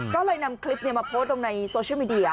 ก็เลยนำคลิปมาโพสต์ลงในโซเชียลมีเดีย